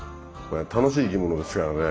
楽しい生き物ですからね。